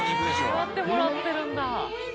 祝ってもらってるんだ。